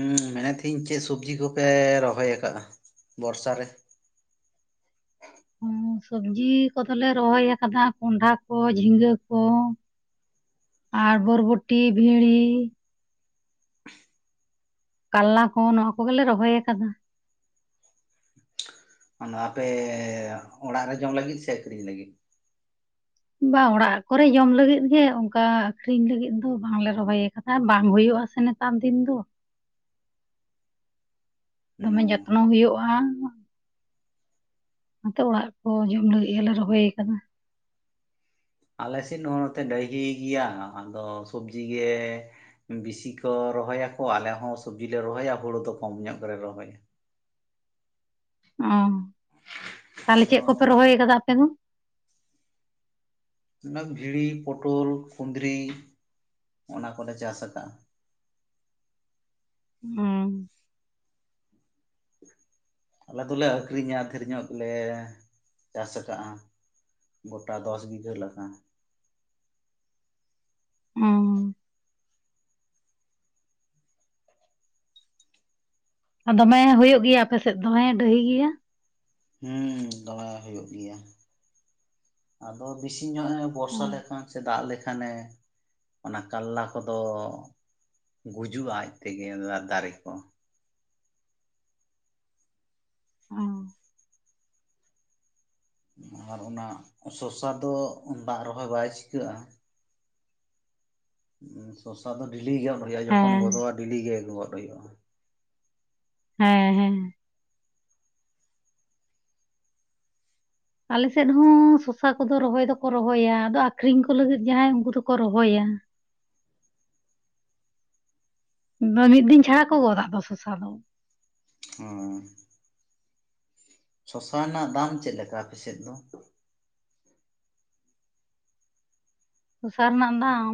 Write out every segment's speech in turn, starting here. ᱦᱮᱸ ᱢᱮᱱᱮᱫ ᱛᱟᱦᱤᱧ ᱠᱤ ᱥᱚᱵᱽᱡᱤ ᱠᱚᱯᱮ ᱨᱚᱦᱚᱭ ᱟᱠᱟᱜ-ᱟ ᱵᱚᱨᱥᱟ ᱨᱮ ᱥᱚᱵᱽᱡᱤ ᱠᱚᱫᱚᱞᱮ ᱨᱚᱦᱚᱭ ᱟᱠᱟᱫᱟ ᱠᱚᱱᱰᱷᱟ ᱠᱚ, ᱡᱷᱤᱝᱜᱟᱹ ᱠᱚ᱾ ᱟᱨ ᱵᱚᱨᱵᱚᱴᱤ ᱵᱷᱤᱲᱤ ᱠᱟᱞᱞᱟ ᱠᱚ ᱱᱚᱣᱟ ᱠᱚᱜᱮᱞᱮ ᱨᱚᱦᱚᱭ ᱠᱟᱫᱟ᱾ ᱟᱯᱮᱻ ᱚᱲᱟᱜ ᱨᱮ ᱡᱚᱢ ᱞᱟᱹᱜᱤᱫ ᱥᱮ ᱟᱹᱠᱷᱨᱤᱧ ᱞᱟᱹᱜᱤᱫ᱾ ᱵᱟᱝ ᱚᱲᱟᱜ ᱠᱚᱨᱮ ᱡᱚᱢ ᱞᱟᱹᱜᱤᱫ ᱜᱮ, ᱚᱱᱠᱟ ᱟᱹᱠᱷᱨᱤᱧ ᱞᱟᱹᱜᱤᱫ ᱫᱚ ᱵᱟᱝᱞᱮ ᱨᱚᱦᱚᱭ ᱠᱟᱫᱟ᱾ ᱟᱨ ᱵᱟᱝ ᱦᱩᱭᱩᱜ-ᱟ ᱥᱮ ᱱᱮᱛᱟᱨ ᱫᱤᱱ ᱫᱚ᱾ ᱫᱚᱢᱮ ᱡᱚᱛᱱᱚ ᱦᱳᱭᱳᱜ-ᱟ᱾ ᱚᱱᱟᱛᱮ ᱚᱲᱟᱜ ᱠᱚ ᱡᱚᱢ ᱞᱟᱹᱜᱤᱫ ᱜᱮᱞᱮ ᱨᱚᱦᱚᱭ ᱟᱠᱟᱫᱟ᱾ ᱟᱞᱮ ᱥᱮᱫ ᱦᱚᱸ ᱱᱚᱛᱮ ᱰᱟᱦᱤ ᱜᱮᱭᱟ ᱟᱫᱚ ᱥᱚᱵᱽᱡᱤ ᱜᱮᱻ᱾ ᱵᱤᱥᱤ ᱠᱚ ᱨᱚᱦᱚᱭᱟ ᱠᱚ ᱟᱞᱮ ᱦᱚᱸ ᱥᱚᱵᱽᱡᱤ ᱞᱮ ᱨᱚᱦᱚᱭᱟ ᱦᱩᱲᱩ ᱫᱚ ᱠᱚᱢ ᱧᱚᱜ ᱜᱮᱞᱮ ᱨᱚᱦᱚᱭᱟ᱾ ᱩᱸ ᱛᱟᱦᱚᱸᱞᱮ ᱟᱫᱚ ᱪᱮᱫ ᱠᱚᱯᱮ ᱨᱚᱦᱚᱭ ᱠᱟᱫᱟ ᱟᱯᱮ ᱫᱚ? ᱚᱱᱟ ᱵᱷᱤᱲᱤ ᱯᱚᱴᱚᱞ ᱠᱩᱱᱫᱽᱨᱤ, ᱚᱱᱟ ᱠᱚᱞᱮ ᱪᱟᱥ ᱠᱟᱜ-ᱟ᱾ ᱦᱩᱸ᱾ ᱟᱞᱮ ᱫᱚᱞᱮ ᱟᱹᱠᱷᱨᱤᱧᱟ ᱰᱷᱮᱨ ᱧᱚᱜ ᱜᱮᱞᱮ ᱪᱟᱥ ᱠᱟᱜ-ᱟ᱾ ᱜᱚᱴᱟ ᱫᱚᱥ ᱵᱤᱜᱷᱟᱹ ᱞᱮᱠᱟ᱾ ᱚ ᱫᱚᱢᱮ ᱦᱩᱭᱩᱜ ᱜᱮᱭᱟ ᱟᱯᱮ ᱥᱮᱫ ᱫᱚᱢᱮ ᱰᱟᱹᱦᱤ ᱜᱮᱭᱟ᱾ ᱦᱮᱸ ᱫᱚᱢᱮ ᱦᱩᱭᱩᱜ ᱜᱮᱭᱟ, ᱟᱫᱚ ᱵᱮᱥᱤ ᱧᱚᱜ ᱮ ᱚ ᱵᱚᱨᱥᱟ ᱞᱮᱠᱷᱟᱱ ᱥᱮ ᱫᱟᱜ ᱞᱮᱠᱷᱟᱱᱮ ᱚᱱᱟ ᱠᱟᱞᱞᱟ ᱠᱚ ᱫᱚᱻ ᱜᱩᱡᱩᱜ-ᱟ ᱟᱡ ᱛᱮᱜᱮ ᱚᱞᱱᱟ ᱫᱟᱨᱮ ᱠᱚ᱾ ᱚ ᱟᱨ ᱚᱱᱟ ᱥᱚᱥᱟ ᱫᱚ, ᱫᱟᱜ ᱨᱮ ᱦᱚᱸᱭ ᱵᱟᱭ ᱪᱤᱠᱟᱹᱜ-ᱟ᱾ ᱥᱚᱥᱟ ᱫᱚ ᱰᱮᱞᱤ ᱜᱚᱫ ᱦᱩᱭᱩᱜ-ᱟ, ᱡᱚᱠᱷᱚᱱ ᱦᱮᱸ ᱜᱚᱫᱚᱜ-ᱟ ᱰᱮᱞᱤ ᱜᱮ ᱜᱚᱫ ᱦᱩᱭᱩᱜ-ᱟ᱾ ᱦᱮᱸ ᱦᱮᱸ᱾ ᱟᱞᱮᱥᱮᱫ ᱦᱚᱸ ᱥᱚᱥᱟ ᱠᱚᱫᱚ ᱨᱚᱦᱚᱭ ᱫᱚᱠᱚ ᱨᱚᱦᱚᱭᱟ ᱟᱫᱚ ᱟᱹᱠᱷᱨᱤᱧ ᱠᱚ ᱞᱟᱹᱜᱤᱫ ᱡᱟᱦᱟᱸᱭ ᱩᱱᱠᱩ ᱫᱚᱠᱚ ᱨᱚᱦᱚᱭᱟ᱾ ᱢᱤᱫ ᱫᱤᱱ ᱪᱷᱟᱲᱟ ᱠᱚ ᱜᱚᱫᱟ ᱟᱫᱚ ᱥᱚᱥᱟ ᱫᱚ᱾ ᱦᱚᱸᱻ ᱥᱚᱥᱟ ᱨᱮᱱᱟᱜ ᱫᱟᱢ ᱪᱮᱫ ᱞᱮᱠᱟ ᱟᱯᱮᱥᱮᱫ ᱫᱚ? ᱥᱚᱥᱟ ᱨᱮᱱᱟᱜ ᱫᱟᱢ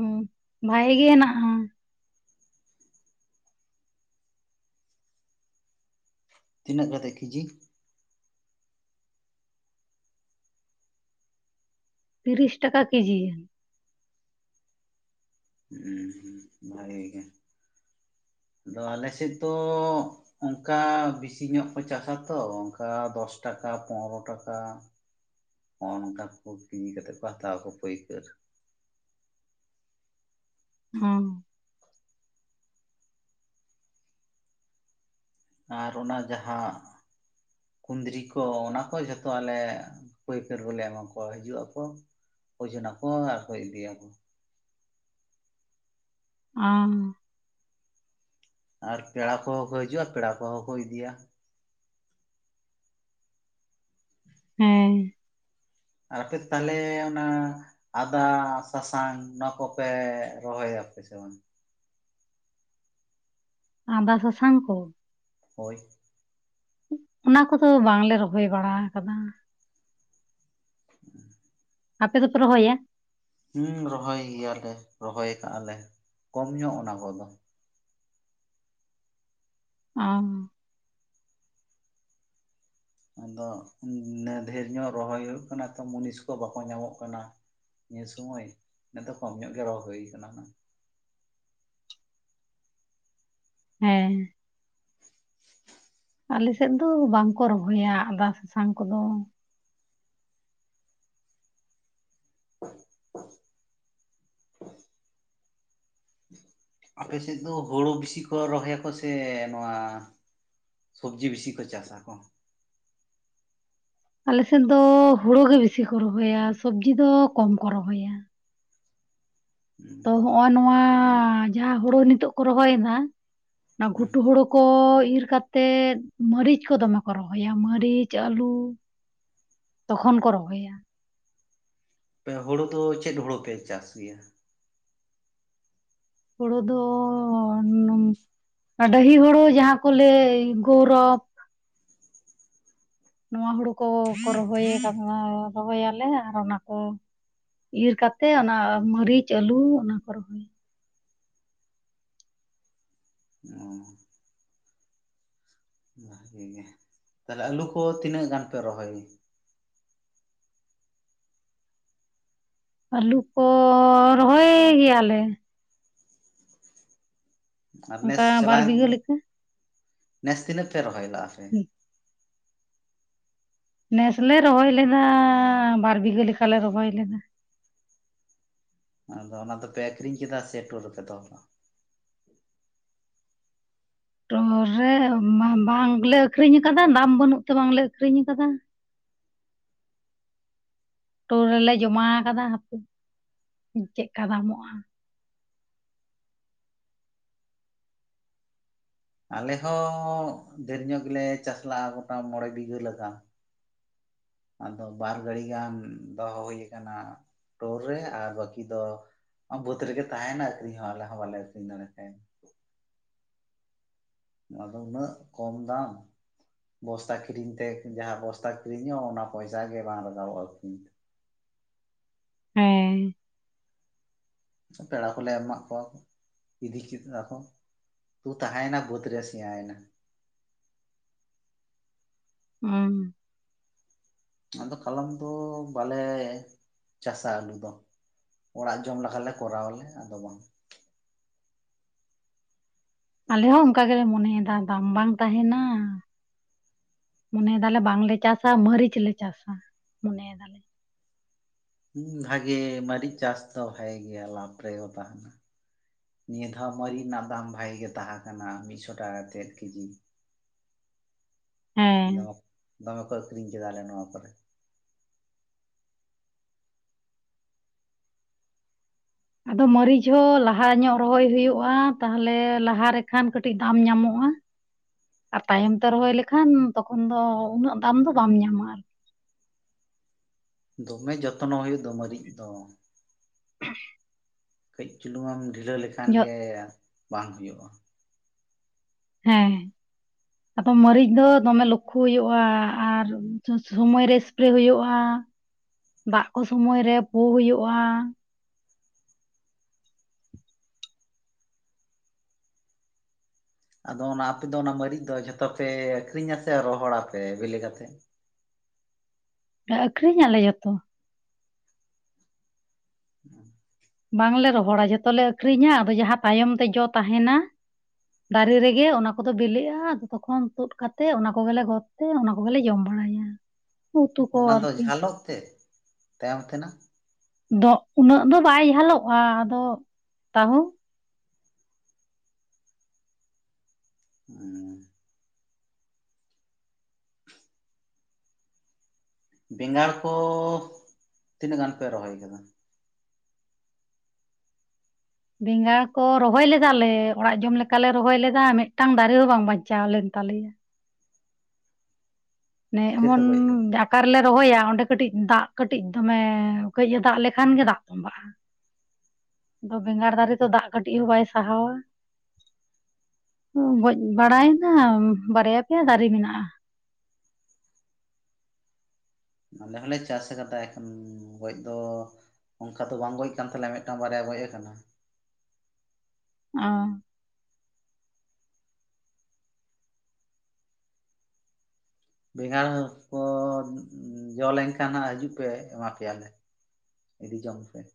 ᱵᱷᱟᱜᱮ ᱜᱮ ᱦᱮᱱᱟᱜᱼᱟ, ᱛᱤᱱᱟᱹᱜ ᱠᱟᱛᱮ ᱠᱮᱡᱤ? ᱛᱤᱨᱤᱥ ᱴᱟᱠᱟ ᱠᱤᱡᱤ᱾ ᱦᱮᱸ ᱦᱮᱸ ᱵᱷᱟᱜᱮ ᱜᱮ, ᱟᱫᱚ ᱟᱞᱮ ᱥᱮᱫ ᱫᱚ ᱚᱱᱠᱟ ᱵᱮᱥᱤ ᱧᱚᱜ ᱠᱚ ᱪᱟᱥᱟ ᱛᱚ ᱚᱱᱠᱟ ᱫᱚᱥ ᱴᱟᱠᱟ, ᱯᱚᱱᱨᱚ ᱴᱟᱠᱟ᱾ ᱦᱚᱸᱜᱼᱚ ᱱᱚᱝ ᱠᱟ ᱠᱚ ᱠᱤᱨᱤᱧ ᱠᱟᱛᱮ ᱠᱚ ᱦᱟᱛᱟᱣᱟᱠᱚ ᱯᱟᱹᱭᱠᱟᱹᱨ᱾ ᱦᱩᱸ᱾ ᱟᱨ ᱚᱱᱟ ᱡᱟᱦᱟᱸ ᱠᱩᱱᱸᱫᱽᱨᱤ ᱠᱚ ᱚᱱᱟ ᱠᱚ ᱡᱷᱚᱛᱚ ᱟᱞᱮᱭᱟᱜ ᱯᱟᱹᱭᱠᱟᱹᱨ ᱠᱚᱞᱮ ᱮᱢᱟ ᱠᱚᱣᱟ ᱦᱤᱡᱩᱜ ᱟᱠᱚ᱾ ᱳᱡᱳᱱᱟᱠᱚ ᱟᱨᱠᱚ ᱤᱫᱤᱭᱟ ᱠᱚ᱾ ᱟᱢ, ᱟᱨ ᱯᱮᱲᱟ ᱠᱚᱦᱚᱸ ᱠᱚ ᱦᱤᱡᱩᱜᱼᱟ ᱯᱮᱲᱟ ᱠᱚᱦᱚᱸ ᱠᱚ ᱤᱫᱤᱭᱟ᱾ ᱦᱮᱸ᱾ ᱟᱯᱮ ᱛᱟᱦᱞᱮ ᱚᱱᱟ ᱟᱫᱟ, ᱥᱟᱥᱟᱝ ᱱᱚᱣᱟ ᱠᱚᱯᱮ ᱨᱚᱦᱚᱭᱟᱯᱮ ᱥᱮ ᱵᱟᱝ? ᱟᱫᱟ ᱥᱟᱥᱟᱝ ᱠᱚ᱾ ᱦᱳᱭ᱾ ᱚᱱᱟ ᱠᱚᱫᱚ ᱵᱟᱝᱞᱮ ᱨᱚᱦᱚᱭ ᱵᱟᱲᱟ ᱠᱟᱫᱟ᱾ [inaudible] ᱟᱯᱮ ᱫᱚᱯᱮ ᱨᱚᱦᱚᱭᱟ? ᱦᱩᱸ ᱨᱚᱦᱚᱭ ᱜᱮᱭᱟᱞᱮ ᱨᱚᱦᱚᱭ ᱠᱟᱜᱼᱟᱞᱮ, ᱠᱚᱢ ᱧᱚᱜ ᱚᱱᱟ ᱠᱚᱫᱚ᱾ ᱟᱢ, ᱟᱫᱚ ᱩᱱᱟᱹᱜ ᱰᱷᱮᱨ ᱧᱚᱜ ᱨᱚᱦᱚᱭ ᱦᱩᱭᱩᱜ ᱠᱟᱱᱟ ᱛᱚ, ᱢᱩᱱᱤᱥ ᱠᱚ ᱵᱟᱠᱚ ᱧᱟᱢᱚᱜ ᱠᱟᱱᱟ᱾ ᱱᱤᱭᱟᱹ ᱥᱩᱢᱚᱭ ᱮᱛᱚ ᱠᱚᱢ ᱧᱚᱜ ᱜᱮ ᱨᱚᱦᱚ ᱦᱳᱭ ᱠᱟᱱᱟ᱾ ᱦᱮᱸ᱾ ᱟᱞᱮ ᱥᱮᱫ ᱫᱚ ᱵᱟᱝᱠᱚ ᱨᱚᱦᱚᱭᱟ ᱟᱫᱟ ᱥᱟᱥᱟᱝ ᱠᱚᱫᱚ᱾ [unintelligible] ᱟᱯᱮ ᱥᱮᱫ ᱫᱚ ᱦᱳᱲᱳ ᱵᱮᱥᱤ ᱠᱚ ᱨᱚᱦᱚᱭᱟᱠᱚ ᱥᱮ ᱱᱚᱣᱟ ᱥᱚᱵᱽᱡᱤ ᱵᱮᱥᱤ ᱠᱚ ᱪᱟᱥᱟᱠᱚ? ᱟᱞᱮᱥᱮᱫ ᱫᱚ ᱦᱳᱲᱳ ᱜᱮ ᱵᱤᱥᱤ ᱠᱚ ᱨᱚᱦᱚᱭᱟ, ᱥᱚᱵᱽᱡᱤ ᱫᱚ ᱠᱚᱢ ᱠᱚ ᱨᱚᱦᱚᱭᱟ᱾ ᱛᱚ ᱦᱚᱸᱜᱼᱚ ᱱᱚᱣᱟᱻ ᱡᱟᱦᱟᱸ ᱦᱳᱲᱳ ᱱᱤᱛᱚᱜ ᱠᱚ ᱨᱚᱦᱚᱭᱱᱟ, ᱚᱱᱟ ᱜᱷᱩᱴᱩ ᱦᱳᱲᱳ ᱠᱚ ᱤᱨ ᱠᱟᱛᱮᱫ ᱢᱟᱹᱨᱤᱪ ᱠᱚ ᱫᱚᱢᱮ ᱠᱚ ᱨᱚᱦᱚᱭᱟ ᱢᱟᱹᱨᱤᱪ, ᱟᱹᱞᱩ ᱛᱚᱠᱷᱚᱱ ᱠᱚ ᱨᱚᱦᱚᱭᱟ᱾ ᱯᱮ ᱦᱳᱲᱳ ᱫᱚ ᱪᱮᱫ ᱦᱳᱲᱳ ᱯᱮ ᱪᱟᱥ ᱜᱮᱭᱟ? ᱦᱳᱲᱳ ᱫᱚᱻ ᱱᱚᱝ ᱰᱟᱺᱦᱤ ᱦᱳᱲᱳ ᱡᱟᱦᱟᱸ ᱠᱚ ᱞᱟᱹᱭ ᱜᱚᱣᱨᱚᱵᱽ᱾ ᱱᱚᱣᱟ ᱦᱳᱲᱳ ᱠᱚ ᱠᱚ ᱨᱚᱦᱚᱭᱮ ᱠᱟᱫ ᱱᱚᱣᱟ ᱨᱚᱦᱚᱭ ᱟᱞᱮ ᱟᱨ ᱚᱱᱟ ᱠᱚ ᱤᱨ ᱠᱟᱛᱮᱫ ᱚᱱᱟ ᱢᱟᱹᱨᱤᱪ, ᱟᱹᱞᱩ ᱚᱱᱟ ᱠᱚ ᱨᱚᱦᱚᱭ᱾ [unintelligible] ᱵᱷᱟᱜᱮ ᱜᱮ, ᱛᱟᱦᱞᱮ ᱟᱞᱩ ᱠᱚ ᱛᱤᱱᱟᱹᱜ ᱜᱟᱱ ᱯᱮ ᱨᱚᱦᱚᱭ ᱜᱮ? ᱟᱹᱞᱩ ᱠᱚᱻ ᱨᱚᱦᱚᱭ ᱜᱮᱭᱟᱞᱮ᱾ ᱟᱨ ᱱᱮᱥ ᱚᱱᱠᱟ ᱵᱟᱨ ᱪᱟᱞᱟᱣᱮᱱ ᱵᱤᱜᱷᱟᱹ ᱫᱚ, ᱞᱮᱠᱟ ᱱᱮᱥ ᱛᱤᱱᱟᱹᱜ ᱯᱮ ᱨᱚᱦᱚᱭ ᱞᱟᱜᱼᱟ ᱯᱮ? ᱱᱮᱥ ᱞᱮ ᱨᱚᱦᱚᱭ ᱞᱮᱫᱟᱻ ᱵᱟᱨ ᱵᱤᱜᱷᱟᱹ ᱞᱮᱠᱟᱞᱮ ᱨᱚᱦᱚᱭ ᱞᱮᱫᱟ᱾ ᱟᱫᱚ ᱚᱱᱟ ᱫᱚᱯᱮ ᱟᱠᱷᱨᱤᱧ ᱠᱮᱫᱟ ᱥᱮ ᱴᱳᱨ ᱨᱮᱯᱮ ᱫᱚᱦᱚ ᱠᱟᱜ? ᱴᱳᱨ ᱨᱮ ᱵᱟᱢ ᱵᱟᱝᱞᱮ ᱟᱠᱷᱨᱤᱧ ᱠᱟᱫᱟ ᱫᱟᱢ ᱵᱟᱹᱱᱩᱜ ᱛᱮ ᱵᱟᱝᱞᱮ ᱟᱠᱷᱨᱤᱧ ᱠᱟᱫᱟ᱾ ᱴᱳᱨ ᱨᱮᱞᱮ ᱡᱚᱢᱟᱣ ᱠᱟᱫᱟ ᱦᱟᱯᱳᱭ ᱪᱮᱜᱠᱟ ᱫᱟᱢᱚᱜᱼᱟ᱾ ᱟᱞᱮ ᱦᱚᱸᱻ ᱰᱷᱮᱨ ᱧᱚᱜ ᱜᱮᱞᱮ ᱪᱟᱥᱞᱟᱜᱼᱟ, ᱜᱚᱴᱟ ᱢᱚᱬᱮ ᱵᱤᱜᱷᱟ ᱞᱮᱠᱟ᱾ ᱟᱫᱚ ᱵᱟᱨ ᱜᱟᱹᱲᱤ ᱜᱟᱱ ᱫᱚᱦᱚ ᱦᱩᱭ ᱠᱟᱱᱟ᱾ ᱴᱳᱨ ᱨᱮ ᱟᱨ ᱵᱟᱹᱠᱤ ᱫᱚ ᱵᱟᱹᱫᱽ ᱨᱮᱜᱮ ᱛᱟᱦᱮᱭᱱᱟ ᱟᱹᱠᱷᱨᱤᱧ ᱦᱚᱸ ᱟᱞᱮ ᱦᱚᱸ ᱵᱟᱞᱮ ᱟᱹᱠᱷᱨᱤᱧ ᱫᱟᱲᱮ ᱛᱮ᱾ ᱱᱚᱣᱟ ᱫᱚ ᱩᱱᱟᱹᱜ ᱠᱚᱢ ᱫᱟᱢ᱾ ᱵᱚᱥᱛᱟ ᱠᱤᱨᱤᱧ ᱛᱮ ᱡᱟᱦᱟᱸ ᱵᱚᱥᱛᱟ ᱠᱤᱨᱤᱧᱚᱜᱼᱟ ᱚᱱᱟ ᱯᱚᱭᱥᱟ ᱜᱮ ᱵᱟᱝ ᱨᱟᱜᱟᱵᱚᱜᱼᱟ ᱟᱠᱷᱨᱤᱧ ᱦᱮᱸ᱾ ᱯᱮᱲᱟ ᱦᱚᱸᱞᱮ ᱮᱢᱟᱜ ᱠᱚᱣᱟ ᱠᱚ ᱤᱫᱤ ᱠᱮᱫᱟ ᱠᱚ᱾ ᱛᱩ ᱛᱟᱦᱮᱭᱱᱟ ᱵᱟᱹᱫᱽ ᱨᱮ ᱥᱤᱭᱟᱭ ᱱᱟ᱾ ᱦᱩᱸ᱾ ᱟᱫᱚ ᱠᱟᱞᱚᱢ ᱫᱚ ᱵᱟᱞᱮ ᱪᱟᱥᱟ ᱟᱹᱞᱩ ᱫᱚ᱾ ᱚᱲᱟᱜ ᱡᱚᱢ ᱞᱮᱠᱷᱟ ᱞᱮ ᱠᱚᱨᱟᱣᱟᱞᱮ ᱟᱫᱚ ᱵᱟᱝ᱾ ᱟᱞᱮ ᱦᱚᱸ ᱚᱱᱠᱟ ᱜᱮᱞᱮ ᱢᱚᱱᱮᱭᱫᱟ ᱫᱟᱢ ᱵᱟᱝ ᱛᱟᱦᱮᱱᱟ᱾ ᱢᱚᱱᱮᱭ ᱫᱟᱞᱮ ᱵᱟᱝ ᱞᱮ ᱪᱟᱥᱟ, ᱢᱟᱹᱨᱤᱪ ᱞᱮ ᱪᱟᱥᱟ ᱢᱚᱱᱮᱭ ᱫᱟᱞᱮ᱾ ᱦᱩᱸ ᱵᱷᱟᱜᱮ ᱢᱟᱹᱨᱤᱪ ᱪᱟᱥ ᱫᱚ ᱵᱷᱟᱜᱮ ᱜᱮᱭᱟ ᱞᱟᱵᱷ ᱨᱮᱦᱚᱸ ᱛᱟᱦᱮᱱᱟ᱾ ᱱᱤᱭᱟᱹ ᱫᱷᱟᱣ ᱢᱟᱹᱨᱤᱡ ᱨᱮᱱᱟᱜ ᱫᱟᱢ ᱵᱷᱟᱜᱮ ᱜᱮ ᱛᱟᱦᱮᱸ ᱠᱟᱱᱟ ᱢᱤᱫᱥᱚ ᱴᱟᱠᱟ ᱠᱟᱛᱮᱫ ᱠᱮᱡᱤ᱾ ᱦᱮᱸ ᱫᱚᱢᱚᱠ ᱫᱚᱢᱮ ᱠᱚ ᱟᱹᱠᱷᱨᱤᱧ ᱠᱮᱫᱟ ᱟᱞᱮ ᱱᱚᱣᱟ ᱠᱚᱨᱮᱡ᱾ ᱟᱫᱚ ᱢᱟᱹᱨᱤᱪ ᱦᱚᱸ ᱞᱟᱦᱟ ᱧᱚᱜ ᱨᱚᱦᱚᱭ ᱦᱩᱭᱩᱜᱼᱟ ᱛᱟᱦᱞᱮ ᱞᱟᱦᱟ ᱨᱮᱠᱷᱟᱱ ᱠᱟᱹᱴᱤᱡ ᱫᱟᱢ ᱧᱟᱢᱚᱜᱼᱟ᱾ ᱟᱨ ᱛᱟᱭᱚᱢ ᱛᱮ ᱨᱚᱦᱚᱭ ᱞᱮᱠᱷᱟᱱ ᱛᱚᱠᱷᱚᱱ ᱩᱱᱟᱹᱜ ᱫᱟᱢ ᱫᱚ ᱵᱟᱢ ᱧᱟᱢᱟ ᱟᱨ᱾ ᱫᱚᱢᱮ ᱡᱚᱛᱱᱚ ᱦᱩᱭᱩᱜ ᱫᱚ ᱢᱟᱹᱨᱤᱡ ᱫᱚ᱾ [inaudible] ᱠᱟᱹᱡ ᱪᱩᱞᱩᱝ ᱮᱢ ᱰᱷᱤᱞᱟᱹ ᱞᱮᱠᱷᱟᱱ ᱡᱚᱜ ᱜᱮ ᱵᱟᱝ ᱦᱩᱭᱩᱜᱼᱟ᱾ ᱦᱮᱸ ᱦᱮᱸ᱾ ᱟᱫᱚ ᱢᱟᱹᱨᱤᱪ ᱫᱚ ᱫᱚᱢᱮ ᱞᱚᱠᱠᱷᱚ ᱦᱩᱭᱩᱜᱼᱟ ᱟᱨ ᱥᱟ-ᱥᱚᱢᱚᱭ ᱨᱮᱼᱼ ᱥᱯᱨᱮ ᱦᱩᱭᱩᱜᱼᱟ, ᱫᱟᱜ ᱠᱚ ᱥᱚᱢᱚᱭ ᱨᱮ ᱯᱩ ᱦᱩᱭᱩᱜᱼᱟ᱾ ᱟᱫᱚ ᱚᱱᱟ ᱟᱯᱮ ᱫᱚ ᱚᱱᱟ ᱢᱟᱹᱨᱤᱪ ᱫᱚ ᱡᱷᱚᱛᱚ ᱯᱮ ᱟᱹᱠᱷᱨᱤᱧᱟ ᱥᱮ ᱨᱚᱦᱚᱲ ᱟᱯᱮ ᱵᱮᱞᱮ ᱠᱟᱛᱮᱜ? ᱟᱹᱠᱷᱨᱤᱧ ᱟᱞᱮ ᱡᱚᱛᱚ᱾ ᱦᱩᱸ᱾ ᱵᱟᱝ ᱞᱮ ᱨᱚᱦᱚᱲᱟ ᱡᱷᱚᱛᱚ ᱞᱮ ᱟᱠᱷᱨᱤᱧᱟ, ᱟᱫᱚ ᱡᱟᱦᱟᱸ ᱛᱟᱭᱚᱢ ᱛᱮ ᱡᱚ ᱛᱟᱦᱮᱱᱟ ᱫᱟᱨᱮ ᱨᱮᱜᱮ ᱚᱱᱟ ᱠᱚᱫᱚ ᱵᱮᱞᱮᱜᱼᱟ, ᱟᱫᱚ ᱛᱚᱠᱷᱚᱱ ᱛᱩᱫ ᱠᱟᱛᱮ ᱚᱱᱟ ᱠᱚ ᱜᱮ ᱞᱮ ᱜᱚᱫ᱾ ᱛᱚ ᱚᱱᱟ ᱠᱚᱜᱮ ᱞᱮ ᱡᱚᱢ ᱵᱟᱲᱟᱭᱟ᱾ ᱩᱛᱩ ᱠᱚ ᱚᱱᱟ ᱫᱚ ᱟᱨᱠᱤ ᱡᱷᱟᱞᱚᱜ ᱛᱮ ᱛᱟᱭᱚᱢ ᱛᱮᱱᱟᱜ? ᱫᱚ ᱩᱱᱟᱹᱜ ᱫᱚ ᱵᱟᱭ ᱡᱷᱟᱞᱚᱜᱼᱟ ᱟᱫᱚ ᱛᱟᱦᱳ᱾ [inaudible] ᱵᱮᱸᱜᱟᱲ ᱠᱚ ᱛᱤᱱᱟᱹᱜ ᱜᱟᱱ ᱯᱮ ᱨᱚᱦᱚᱭ ᱟᱠᱟᱫᱟ? ᱵᱮᱸᱜᱟᱲ ᱠᱚ ᱨᱚᱦᱚᱭ ᱞᱮᱫᱟ ᱞᱮ, ᱚᱲᱟᱜ ᱡᱚᱢ ᱞᱮᱠᱟ ᱞᱮ ᱨᱚᱦᱚᱭ ᱞᱮᱫᱟ ᱢᱤᱫᱴᱟᱝ ᱫᱟᱨᱮ ᱦᱚᱸ ᱵᱟᱝ ᱵᱟᱧᱪᱟᱣ ᱞᱮᱱ ᱛᱟᱞᱮᱭᱟ᱾ ᱱᱮ ᱪᱤᱠᱟᱹᱛᱮ ᱮᱢᱚᱱ ᱜᱚᱡ ᱜᱚᱫ ᱮᱱᱟ ᱰᱟᱠ ᱚᱠᱟ ᱨᱮ ᱞᱮ ᱨᱚᱦᱚᱭᱟ ᱚᱸᱰᱮ ᱠᱟᱹᱴᱤᱡ ᱫᱟᱜ ᱠᱟᱹᱴᱤᱡ ᱫᱚᱢᱮ ᱠᱟᱹᱡ ᱴᱼᱮ ᱫᱟᱜ ᱞᱮᱠᱷᱟᱱ ᱜᱮ ᱫᱟᱜ ᱛᱚᱸᱵᱟᱜᱼᱟ᱾ ᱟᱫᱚ ᱵᱮᱸᱜᱟᱲ ᱫᱟᱨᱮ ᱛᱚ ᱫᱟᱜ ᱠᱟᱹᱴᱤᱡ ᱦᱚᱸ ᱵᱟᱭ ᱥᱟᱦᱟᱣᱟ᱾ ᱜᱚᱡ ᱵᱟᱲᱟᱭᱮᱱᱟ, ᱵᱟᱨᱭᱟ ᱯᱮᱭᱟ ᱫᱟᱨᱮ ᱢᱮᱱᱟᱜᱼᱟ᱾ ᱟᱞᱮ ᱦᱚᱸᱞᱮ ᱪᱟᱥ ᱠᱟᱫᱟ ᱮᱠᱷᱚᱱ ᱜᱚᱡ ᱫᱚ ᱚᱝᱠᱟ ᱫᱚ ᱵᱟᱝ ᱜᱚᱡ ᱠᱟᱱ ᱛᱟᱞᱮᱭᱟ ᱢᱤᱫᱴᱟᱝ ᱵᱟᱨᱭᱟ ᱜᱚᱡ ᱟᱠᱟᱱᱟ᱾ ᱚ᱾ ᱵᱮᱸᱜᱟᱲ ᱠᱚ ᱡᱚ ᱞᱮᱱᱠᱷᱟᱱ ᱦᱟᱸᱜ ᱦᱤᱡᱩᱜ ᱯᱮ ᱮᱢᱟ ᱯᱮᱭᱟᱞᱮ᱾ ᱮᱫᱤ ᱡᱚᱝ ᱯᱮ ᱾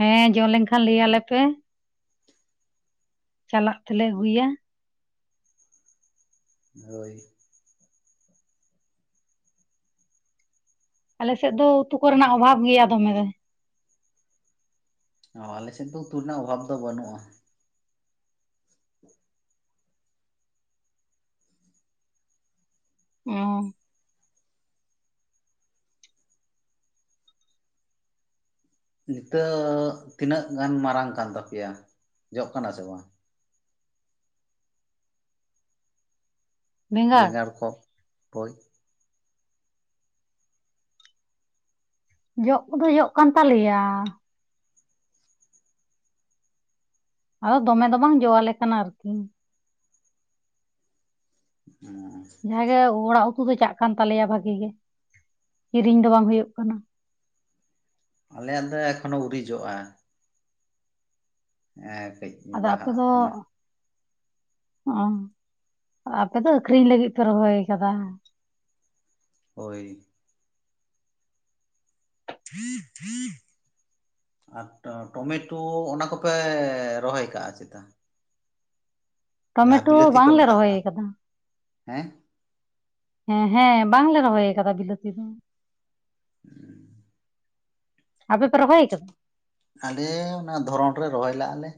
ᱦᱮᱸ ᱡᱚ ᱞᱮᱱ ᱠᱷᱟᱱ ᱞᱟᱹᱭ ᱟᱞᱮ ᱯᱮ ᱾ ᱪᱟᱞᱟᱜ ᱛᱮᱞᱮ ᱟᱹᱜᱩᱭᱟ ᱾ ᱦᱳᱭ ᱾ ᱟᱞᱮ ᱥᱮᱫ ᱫᱚ ᱩᱛᱩ ᱠᱚᱨᱮᱱᱟᱜ ᱚᱵᱷᱟᱵ ᱜᱮᱭᱟ ᱫᱚᱢᱮ ᱜᱮ ᱾ ᱚ ᱟᱞᱮ ᱥᱮᱫ ᱫᱚ ᱩᱛᱩ ᱨᱮᱱᱟᱜ ᱚᱵᱷᱟᱵ ᱫᱚ ᱵᱟᱱᱩᱜᱼᱟ᱾ ᱚ ᱾ ᱱᱤᱛᱚᱜ ᱛᱤᱱᱟᱹᱜ ᱜᱟᱱ ᱢᱟᱨᱟᱝ ᱠᱟᱱ ᱛᱟᱯᱮᱭᱟ ᱡᱚᱜ ᱠᱟᱱᱟ ᱥᱮ ᱵᱟᱝ? ᱵᱮᱸᱜᱟᱲ ᱠᱚ, ᱦᱳᱭ ᱾ ᱡᱚᱜ ᱠᱚᱫᱚ ᱡᱚᱜ ᱠᱟᱱ ᱛᱟᱞᱮ ᱜᱮᱭᱟ ᱾ ᱟᱫᱚ ᱫᱚᱢᱮ ᱫᱚ ᱵᱟᱝ ᱡᱚ ᱟᱞᱮ ᱠᱟᱱᱟ ᱟᱨᱠᱤ᱾ [inaudible] ᱡᱟᱦᱟᱸ ᱜᱮ ᱚᱲᱟᱜ ᱩᱛᱩ ᱫᱚ ᱪᱟᱜ ᱠᱟᱱ ᱛᱟᱞᱮᱭᱟ ᱵᱷᱟᱜᱤ ᱜᱮ, ᱠᱤᱨᱤᱧ ᱫᱚ ᱵᱟᱝ ᱦᱩᱭᱩᱜ ᱠᱟᱱᱟ᱾ ᱟᱞᱮᱭᱟᱜ ᱫᱚ ᱮᱠᱷᱚᱱᱳ ᱟᱹᱣᱨᱤ ᱡᱚᱜᱼᱟ᱾ ᱱᱮᱜᱼᱮ ᱠᱟᱹᱡ ᱟᱫᱚ ᱟᱯᱮ ᱵᱟᱦᱟᱜ ᱫᱚ ᱠᱟᱱᱟ᱾ ᱚ, ᱟᱯᱮ ᱫᱚ ᱟᱠᱷᱨᱤᱧ ᱞᱟᱹᱜᱤᱫ ᱯᱮ ᱨᱚᱦᱚᱭ ᱠᱟᱫᱟ ᱾ ᱦᱳᱭ ᱾ [unintelligible] ᱟᱨ ᱴᱚᱢᱮᱴᱳ ᱚᱱᱟ ᱠᱚᱯᱮ ᱨᱚᱦᱚᱭ ᱠᱟᱜᱼᱟ ᱪᱮᱛᱟ? ᱡᱟᱦᱟᱸ ᱴᱚᱢᱮᱴᱳ ᱵᱤᱞᱟᱹᱛᱤ ᱠᱚ ᱵᱟᱝᱞᱮ ᱢᱮᱛᱟᱜ ᱨᱚᱦᱚᱭ ᱠᱟᱱ ᱟᱠᱟᱫᱟ ᱦᱮᱸ᱾ ᱦᱮᱸ ᱦᱮᱸ ᱵᱟᱝᱞᱮ ᱨᱚᱦᱚᱭ ᱠᱟᱫᱟ ᱵᱤᱞᱟᱹᱛᱤ ᱫᱚ᱾ [unintelligible] ᱟᱯᱮ ᱯᱮ ᱨᱚᱦᱚᱭ ᱠᱟᱫᱟ? ᱟᱞᱮ ᱚᱱᱟ ᱫᱷᱚᱨᱚᱱ ᱨᱮ ᱨᱚᱦᱚᱭ ᱞᱟᱜᱼᱟ ᱞᱮ,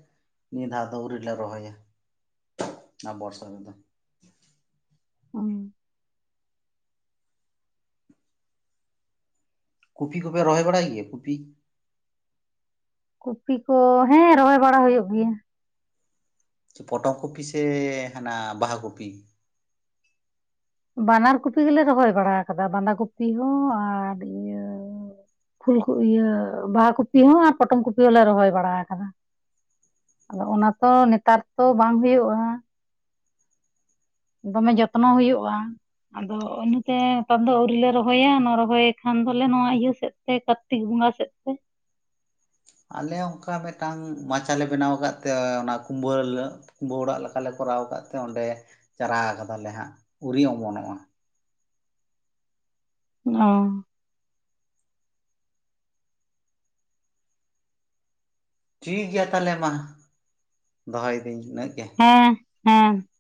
ᱱᱤᱭᱟᱹ ᱫᱷᱟᱣ ᱫᱚ ᱟᱹᱣᱨᱤ ᱞᱮ ᱨᱚᱦᱚᱭᱟ᱾ ᱟᱨ ᱵᱚᱨᱥᱟ ᱨᱮᱫᱚ ᱚ ᱾ ᱠᱚᱯᱤ ᱠᱚᱯᱮ ᱨᱚᱦᱚᱭ ᱵᱟᱲᱟᱭ ᱜᱮᱭᱟ ᱠᱚᱯᱤ? ᱠᱚᱯᱤ ᱠᱚ ᱦᱮᱸ ᱨᱚᱦᱚᱭ ᱵᱟᱲᱟ ᱦᱩᱭᱩᱜ ᱜᱮᱭᱟ᱾ ᱯᱚᱴᱚᱢ ᱠᱚᱯᱤ ᱥᱮ ᱦᱟᱱᱟ ᱵᱟᱦᱟ ᱠᱚᱯᱤ? ᱵᱟᱱᱟᱨ ᱠᱚᱯᱤ ᱜᱮᱞᱮ ᱨᱚᱦᱚᱭ ᱵᱟᱲᱟ ᱟᱠᱟᱫᱟ ᱵᱟᱸᱫᱷᱟ ᱠᱚᱯᱤ ᱦᱚᱸ ᱟᱨ ᱤᱭᱟᱹ ᱯᱷᱩᱞ ᱤᱭᱟᱹ ᱵᱟᱦᱟ ᱠᱚᱯᱤ ᱦᱚᱸ ᱟᱨ ᱯᱚᱴᱚᱢ ᱠᱚᱯᱤ ᱦᱚᱸᱞᱮ ᱨᱚᱦᱚᱭ ᱵᱟᱲᱟ ᱟᱠᱟᱫᱟ ᱾ ᱟᱫᱚ ᱚᱱᱟ ᱛᱚ ᱱᱮᱛᱟᱨ ᱛᱚ ᱵᱟᱝ ᱦᱩᱭᱩᱜᱼᱟ ᱾ ᱫᱚᱢᱮ ᱡᱚᱛᱱᱚ ᱦᱩᱭᱩᱜᱼᱟ ᱾ ᱟᱫᱚ ᱤᱱᱟᱹᱛᱮ ᱱᱮᱛᱟᱨ ᱫᱚ ᱟᱹᱣᱨᱤ ᱞᱮ ᱨᱚᱦᱚᱭᱟ ᱨᱚᱦᱚᱭ ᱠᱷᱟᱱ ᱫᱚᱞᱮ ᱱᱚᱣᱟ ᱤᱭᱟᱹ ᱥᱮᱫ ᱛᱮ ᱠᱟᱨᱛᱤᱠ ᱵᱚᱸᱜᱟ ᱥᱮᱫᱛᱮ ᱾ ᱟᱞᱮ ᱚᱱᱠᱟ ᱢᱤᱫᱴᱟᱝ ᱢᱟᱪᱟᱞ ᱵᱮᱱᱟᱣ ᱟᱠᱟᱫ ᱛᱮ ᱚᱱᱟ ᱠᱩᱢᱵᱟᱹ ᱠᱩᱢᱵᱟᱹ ᱚᱲᱟᱜ ᱞᱮᱠᱟᱞᱮ ᱠᱚᱨᱟᱣ ᱟᱠᱟᱫ ᱛᱮ ᱚᱸᱰᱮ ᱪᱟᱨᱟ ᱠᱟᱫᱟᱞᱮ ᱦᱟᱸᱜ, ᱩᱨᱤ ᱚᱢᱚᱱᱚᱜᱼᱟ᱾ ᱚ ᱾ ᱴᱷᱤᱠ ᱜᱮᱭᱟ ᱛᱟᱦᱚᱞᱮ ᱢᱟ, ᱫᱚᱦᱚᱭᱮᱫᱟᱹᱧ ᱩᱱᱟᱹᱜ ᱜᱮ ᱦᱮᱸ, ᱦᱮᱸ ᱾